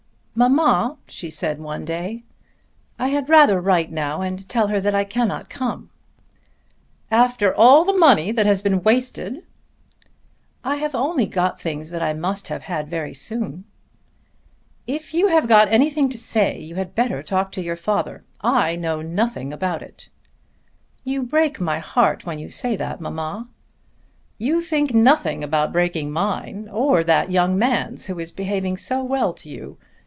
"Mamma," she said one day, "I had rather write now and tell her that I cannot come." "After all the money has been wasted!" "I have only got things that I must have had very soon." "If you have got anything to say you had better talk to your father. I know nothing about it." "You break my heart when you say that, mamma." "You think nothing about breaking mine; or that young man's who is behaving so well to you.